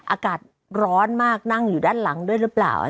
อากาศร้อนมากนั่งอยู่ด้านหลังด้วยหรือเปล่า